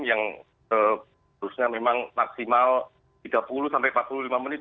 yang harusnya memang maksimal tiga puluh sampai empat puluh lima menit